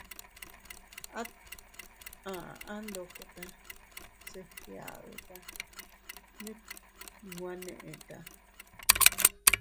At a aʼa ndokota se fgiaduta, mit nwe neʼta.